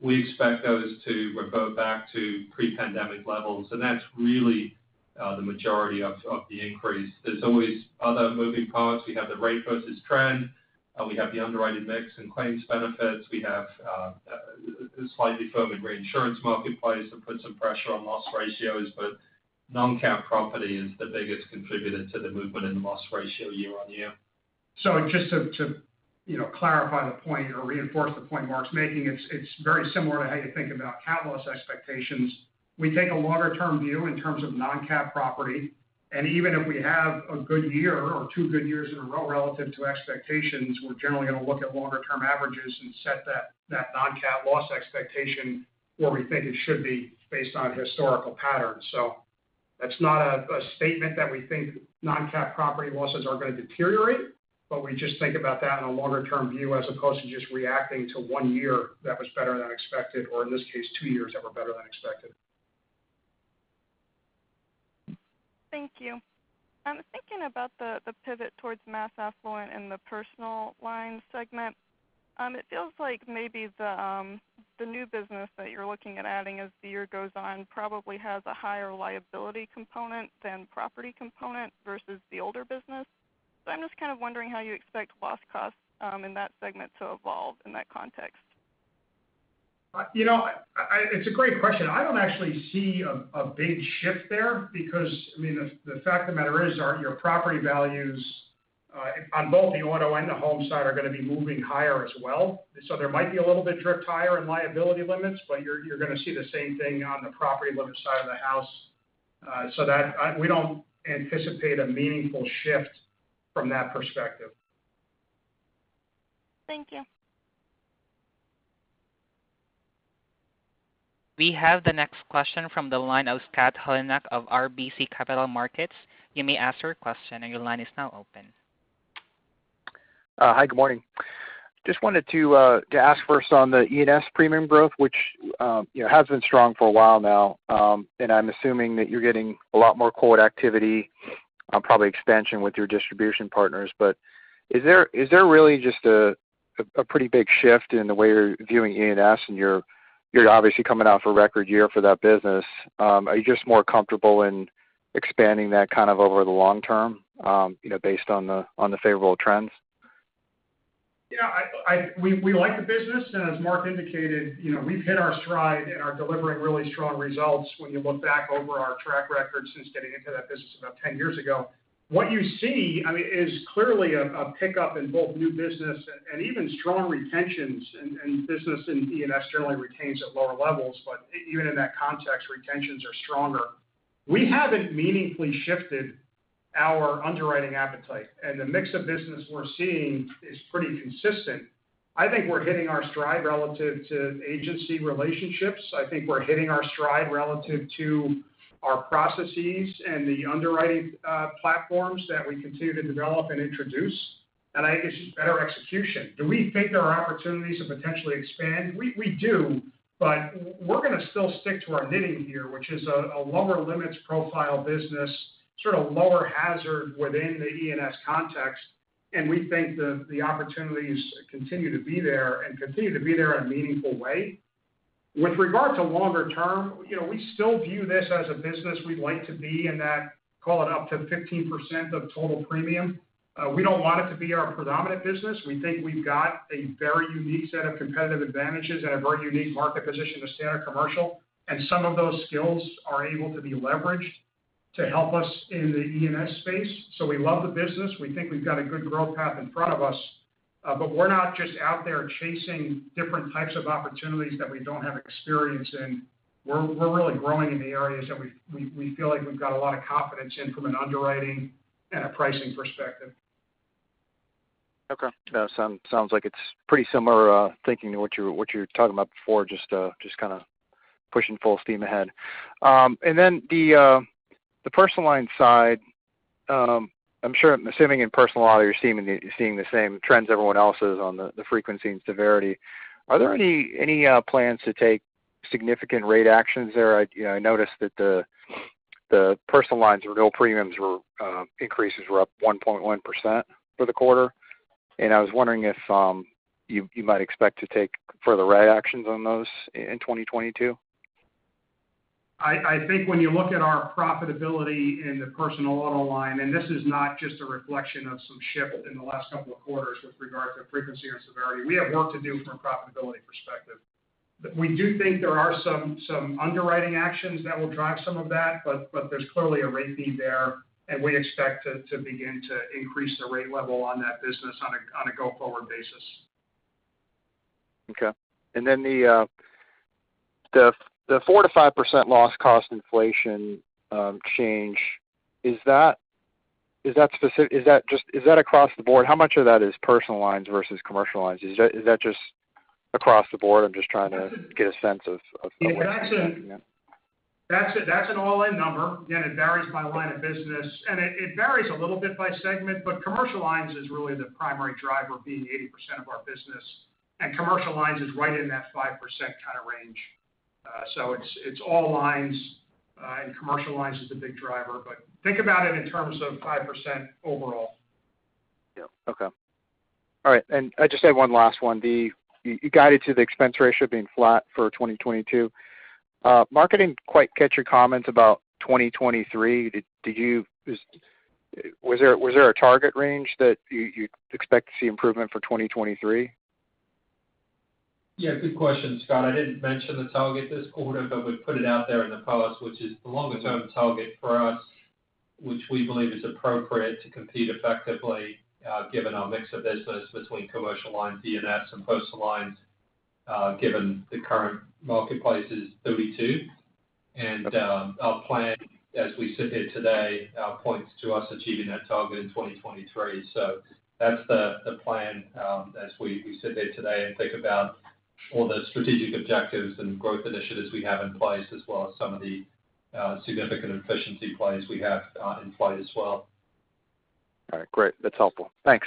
We expect those to revert back to pre-pandemic levels, and that's really the majority of the increase. There's always other moving parts. We have the rate versus trend, we have the underwritten mix and claims benefits. We have a slightly firmer reinsurance marketplace that puts some pressure on loss ratios. Non-cat property is the biggest contributor to the movement in loss ratio year-over-year. Just to you know clarify the point or reinforce the point Mark's making, it's very similar to how you think about catalyst expectations. We take a longer-term view in terms of non-cat property, and even if we have a good year or two good years in a row relative to expectations, we're generally gonna look at longer-term averages and set that non-cat loss expectation where we think it should be based on historical patterns. That's not a statement that we think non-cat property losses are gonna deteriorate, but we just think about that in a longer-term view as opposed to just reacting to one year that was better than expected or, in this case, two years that were better than expected. Thank you. I'm thinking about the pivot towards mass affluent and the Personal Lines segment. It feels like maybe the new business that you're looking at adding as the year goes on probably has a higher liability component than property component versus the older business. I'm just kind of wondering how you expect loss costs in that segment to evolve in that context. You know, it's a great question. I don't actually see a big shift there because I mean, the fact of the matter is, your property values on both the auto and the home side are gonna be moving higher as well. There might be a little bit drift higher in liability limits, but you're gonna see the same thing on the property limits side of the house. We don't anticipate a meaningful shift from that perspective. Thank you. We have the next question from the line of Scott Heleniak of RBC Capital Markets. You may ask your question, and your line is now open. Hi, good morning. Just wanted to ask first on the E&S premium growth, which, you know, has been strong for a while now. I'm assuming that you're getting a lot more quote activity, probably expansion with your distribution partners. Is there really just a pretty big shift in the way you're viewing E&S and you're obviously coming off a record year for that business. Are you just more comfortable in expanding that kind of over the long term, you know, based on the favorable trends? Yeah, we like the business, and as Mark indicated, you know, we've hit our stride and are delivering really strong results when you look back over our track record since getting into that business about 10 years ago. What you see, I mean, is clearly a pickup in both new business and even strong retentions, and business in E&S generally retains at lower levels. But even in that context, retentions are stronger. We haven't meaningfully shifted our underwriting appetite, and the mix of business we're seeing is pretty consistent. I think we're hitting our stride relative to agency relationships. I think we're hitting our stride relative to our processes and the underwriting platforms that we continue to develop and introduce. I think it's just better execution. Do we think there are opportunities to potentially expand? We do, but we're gonna still stick to our knitting here, which is a lower limits profile business, sort of lower hazard within the E&S context. We think the opportunities continue to be there in a meaningful way. With regard to longer term, you know, we still view this as a business we'd like to be in, call it up to 15% of total premium. We don't want it to be our predominant business. We think we've got a very unique set of competitive advantages and a very unique market position in standard commercial, and some of those skills are able to be leveraged to help us in the E&S space. We love the business. We think we've got a good growth path in front of us. We're not just out there chasing different types of opportunities that we don't have experience in. We're really growing in the areas that we feel like we've got a lot of confidence in from an underwriting and a pricing perspective. Okay. That sounds like it's pretty similar thinking to what you were talking about before, just kinda pushing full steam ahead. Then the Personal Lines side, I'm sure, I'm assuming in personal auto, you're seeing the same trends everyone else is on the frequency and severity. Are there any plans to take significant rate actions there? You know, I noticed that the Personal Lines renewal premiums increases were up 1.1% for the quarter. I was wondering if you might expect to take further rate actions on those in 2022. I think when you look at our profitability in the personal auto line, and this is not just a reflection of some shift in the last couple of quarters with regard to frequency and severity. We have work to do from a profitability perspective. We do think there are some underwriting actions that will drive some of that, but there's clearly a rate need there, and we expect to begin to increase the rate level on that business on a go-forward basis. Okay. The 4% to 5% loss cost inflation change, is that across the board? How much of that is Personal Lines versus Commercial Lines? Is that just across the board? I'm just trying to get a sense of the way you're thinking, yeah. That's an all-in number, and it varies by line of business, and it varies a little bit by segment, but Commercial Lines is really the primary driver, being 80% of our business. Commercial Lines is right in that 5% kind of range. It's all lines, and Commercial Lines is the big driver. Think about it in terms of 5% overall. Yeah. Okay. All right. I just had one last one. You guided to the expense ratio being flat for 2022. Market didn't quite catch your comments about 2023. Was there a target range that you expect to see improvement for 2023? Yeah, good question, Scott. I didn't mention the target this quarter, but we've put it out there in the past, which is the longer-term target for us, which we believe is appropriate to compete effectively, given our mix of business between Commercial Lines, E&S, and Personal Lines, given the current marketplace is 32. Our plan as we sit here today points to us achieving that target in 2023. That's the plan as we sit here today and think about all the strategic objectives and growth initiatives we have in place, as well as some of the significant efficiency plays we have in play as well. All right, great. That's helpful. Thanks.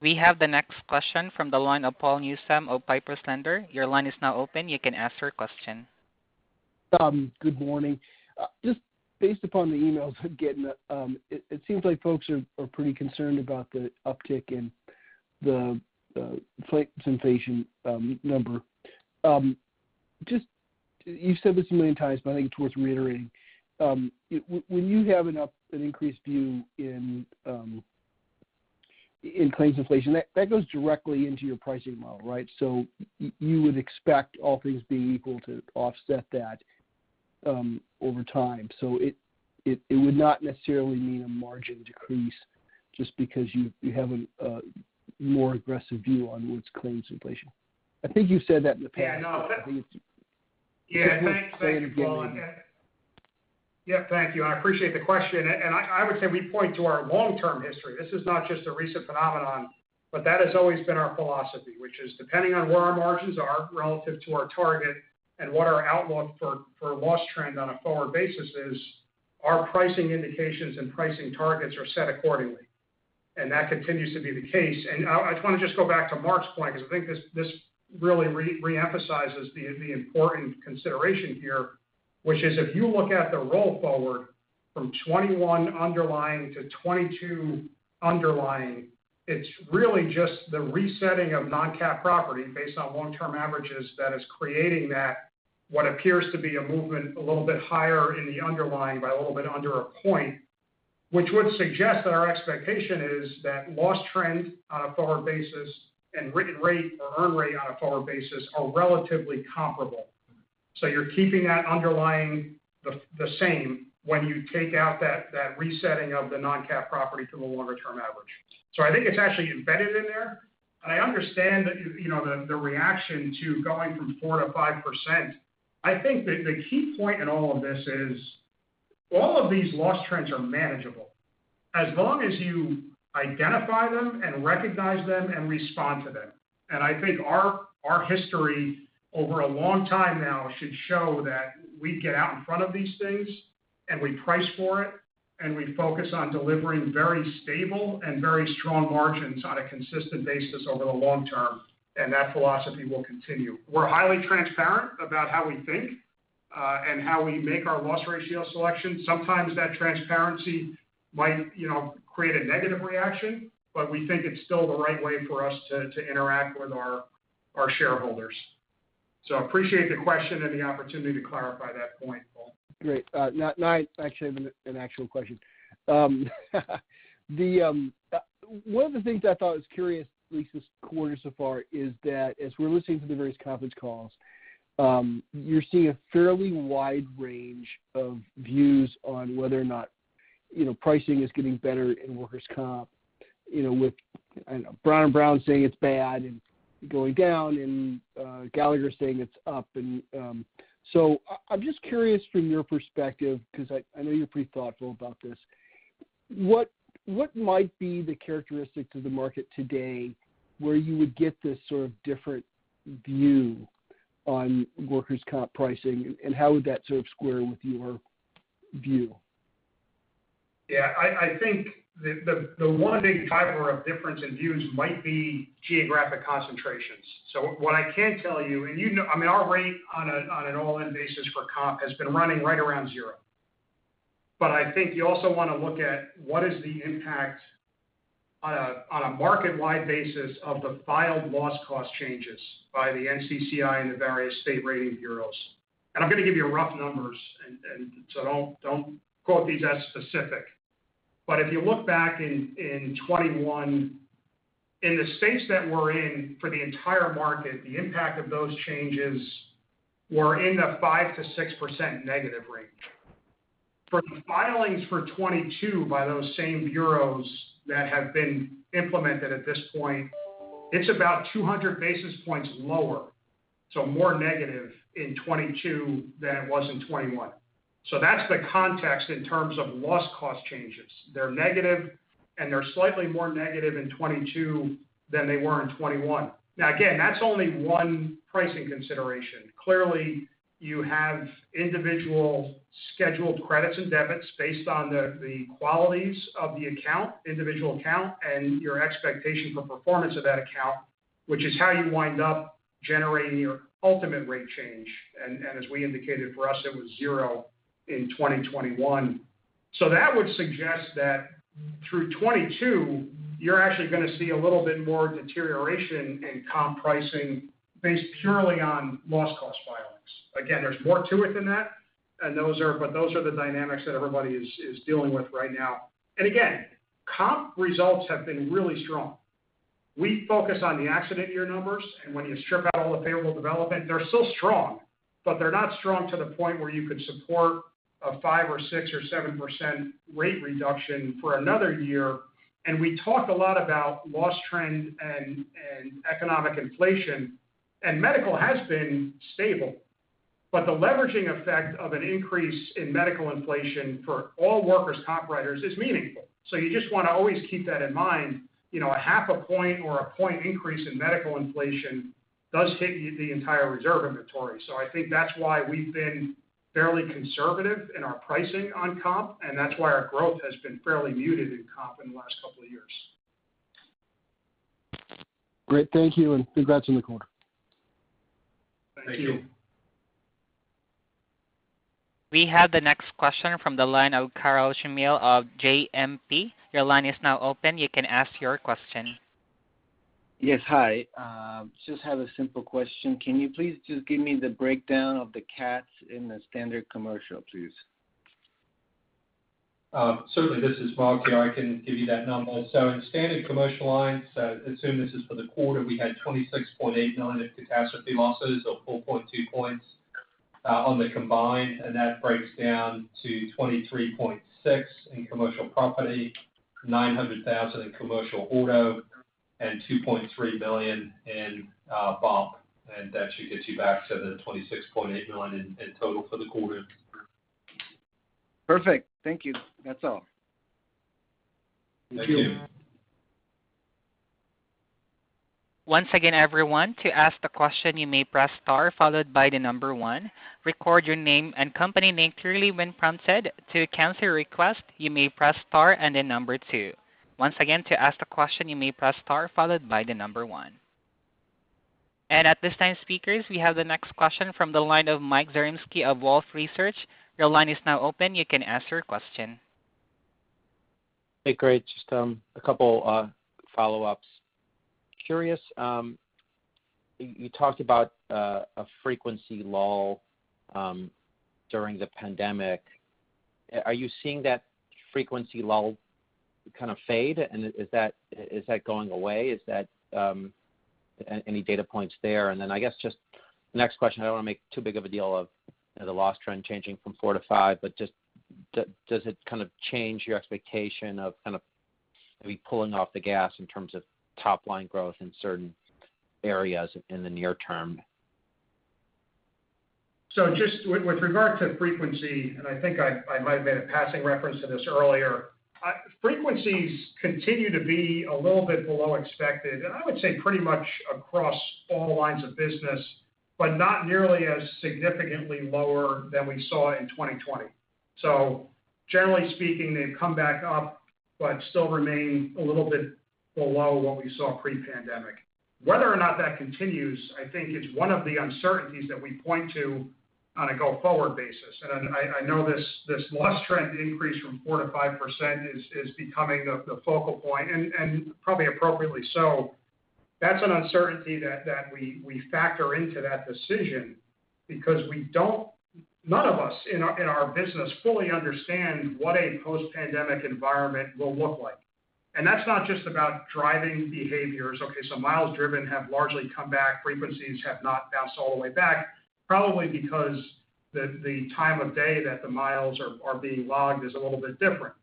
We have the next question from the line of Paul Newsome of Piper Sandler. Your line is now open. You can ask your question. Good morning. Just based upon the emails I'm getting, it seems like folks are pretty concerned about the uptick in the claims inflation number. You've said this a million times, but I think it's worth reiterating. When you have an increased view in claims inflation, that goes directly into your pricing model, right? You would expect all things being equal to offset that over time. It would not necessarily mean a margin decrease just because you have a more aggressive view on what's claims inflation. I think you've said that in the past. Yeah, no. I believe. Yeah. Thanks. Just worth saying again. Yeah. Thank you, and I appreciate the question. I would say we point to our long-term history. This is not just a recent phenomenon, but that has always been our philosophy, which is depending on where our margins are relative to our target and what our outlook for loss trend on a forward basis is, our pricing indications and pricing targets are set accordingly. That continues to be the case. I just want to just go back to Mark's point because I think this really reemphasizes the important consideration here, which is if you look at the roll forward from 2021 underlying to 2022 underlying, it's really just the resetting of non-cat property based on long-term averages that is creating that what appears to be a movement a little bit higher in the underlying by a little bit under a point, which would suggest that our expectation is that loss trend on a forward basis and written rate or earn rate on a forward basis are relatively comparable. You're keeping that underlying the same when you take out that resetting of the non-cat property to the longer term average. I think it's actually embedded in there. I understand that, you know, the reaction to going from 4% to 5%. I think the key point in all of this is all of these loss trends are manageable as long as you identify them and recognize them and respond to them. I think our history over a long time now should show that we get out in front of these things, and we price for it, and we focus on delivering very stable and very strong margins on a consistent basis over the long term, and that philosophy will continue. We're highly transparent about how we think and how we make our loss ratio selections. Sometimes that transparency might, you know, create a negative reaction, but we think it's still the right way for us to interact with our shareholders. Appreciate the question and the opportunity to clarify that point, Paul. Great. Now I actually have an actual question. The one of the things I thought was curious at least this quarter so far is that as we're listening to the various conference calls, you're seeing a fairly wide range of views on whether or not, you know, pricing is getting better in workers' comp, you know, with, I don't know, Brown & Brown saying it's bad and going down and, Gallagher saying it's up. So I'm just curious from your perspective because I know you're pretty thoughtful about this, what might be the characteristic to the market today where you would get this sort of different view on workers' comp pricing, and how would that sort of square with your view? Yeah. I think the one big driver of difference in views might be geographic concentrations. What I can tell you, and you know, I mean, our rate on an all-in basis for comp has been running right around zero. I think you also want to look at what is the impact on a market-wide basis of the filed loss cost changes by the NCCI and the various state rating bureaus. I'm going to give you rough numbers, and so don't quote these as specific. If you look back in 2021, in the states that we're in for the entire market, the impact of those changes were in the 5% to 6% negative range. For the filings for 2022 by those same bureaus that have been implemented at this point, it's about 200 basis points lower, so more negative in 2022 than it was in 2021. That's the context in terms of loss cost changes. They're negative, and they're slightly more negative in 2022 than they were in 2021. Now, again, that's only one pricing consideration. Clearly, you have individual scheduled credits and debits based on the qualities of the account, individual account, and your expectation for performance of that account, which is how you wind up generating your ultimate rate change. As we indicated, for us, it was zero in 2021. That would suggest that through 2022, you're actually gonna see a little bit more deterioration in comp pricing based purely on loss cost filings. Again, there's more to it than that, but those are the dynamics that everybody is dealing with right now. Again, comp results have been really strong. We focus on the accident year numbers, and when you strip out all the favorable development, they're still strong, but they're not strong to the point where you could support a 5% or 6% or 7% rate reduction for another year. We talked a lot about loss trend and economic inflation, and medical has been stable. The leveraging effect of an increase in medical inflation for all workers' comp writers is meaningful. You just want to always keep that in mind. You know, a 0.5 or a point increase in medical inflation does hit the entire reserve inventory. I think that's why we've been fairly conservative in our pricing on comp, and that's why our growth has been fairly muted in comp in the last couple of years. Great. Thank you, and congrats on the quarter. Thank you. We have the next question from the line of Karl Chamil of JMP Securities. Your line is now open. You can ask your question. Yes. Hi. Just have a simple question. Can you please just give me the breakdown of the cats in the Standard Commercial, please? Certainly. This is Mark here. I can give you that number. In Standard Commercial Lines, assume this is for the quarter, we had $26.89 million in catastrophe losses or 4.2 points on the combined, and that breaks down to $23.6 million in Commercial Property, $900,000 in Commercial Auto, and $2.3 million in BOP. That should get you back to the $26.89 million in total for the quarter. Perfect. Thank you. That's all. Thank you. At this time, speakers, we have the next question from the line of Michael Zaremski of Wolfe Research. Your line is now open. You can ask your question. Hey, great. Just a couple follow-ups. I'm curious, you talked about a frequency lull during the pandemic. Are you seeing that frequency lull kind of fade? Is that going away? Are there any data points there? I guess just the next question. I don't want to make too big of a deal of the loss trend changing from 4% to 5%, but just does it kind of change your expectation of kind of maybe pulling off the gas in terms of top-line growth in certain areas in the near term? Just with regard to frequency, and I think I might have made a passing reference to this earlier. Frequencies continue to be a little bit below expected, and I would say pretty much across all lines of business, but not nearly as significantly lower than we saw in 2020. Generally speaking, they've come back up but still remain a little bit below what we saw pre-pandemic. Whether or not that continues, I think is one of the uncertainties that we point to on a go-forward basis. I know this loss trend increase from 4% to 5% is becoming the focal point and probably appropriately so. That's an uncertainty that we factor into that decision because none of us in our business fully understand what a post-pandemic environment will look like. That's not just about driving behaviors. Okay, miles driven have largely come back. Frequencies have not bounced all the way back, probably because the time of day that the miles are being logged is a little bit different.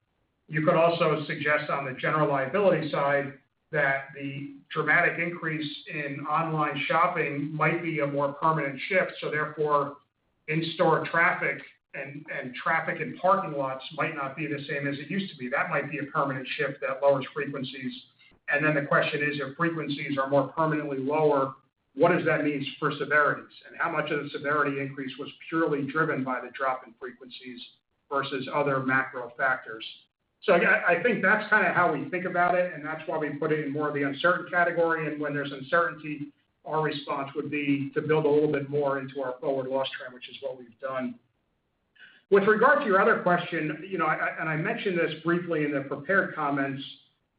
You could also suggest on the General Liability side that the dramatic increase in online shopping might be a more permanent shift, therefore in-store traffic and traffic in parking lots might not be the same as it used to be. That might be a permanent shift that lowers frequencies. Then the question is, if frequencies are more permanently lower, what does that mean for severities? How much of the severity increase was purely driven by the drop in frequencies versus other macro factors? Yeah, I think that's kind of how we think about it, and that's why we put it in more of the uncertain category. When there's uncertainty, our response would be to build a little bit more into our forward loss trend, which is what we've done. With regard to your other question, you know, and I mentioned this briefly in the prepared comments,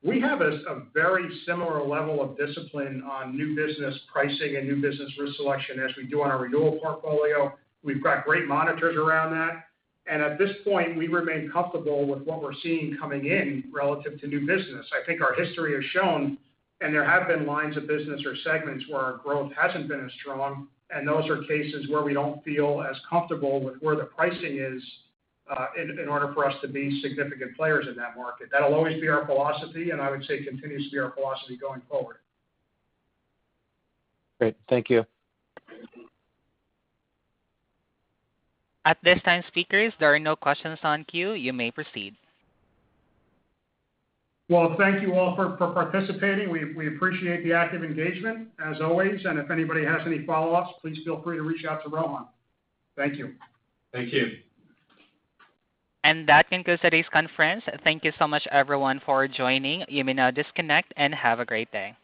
we have a very similar level of discipline on new business pricing and new business risk selection as we do on our renewal portfolio. We've got great monitors around that. At this point, we remain comfortable with what we're seeing coming in relative to new business. I think our history has shown, and there have been lines of business or segments where our growth hasn't been as strong, and those are cases where we don't feel as comfortable with where the pricing is, in order for us to be significant players in that market. That'll always be our philosophy, and I would say continues to be our philosophy going forward. Great. Thank you. At this time, speakers, there are no questions in queue. You may proceed. Well, thank you all for participating. We appreciate the active engagement as always. If anybody has any follow-ups, please feel free to reach out to Rohan. Thank you. Thank you. That concludes today's conference. Thank you so much everyone for joining. You may now disconnect and have a great day.